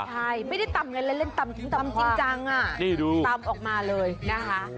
ใช่ไม่ได้ตำเงินเล่นตำจริงจังตำออกมาเลยนะคะ